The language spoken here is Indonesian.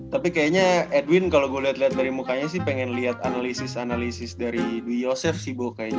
tapi kayaknya edwin kalo gue liat liat dari mukanya sih pengen liat analisis analisis dari dwi yosef sih boh kayaknya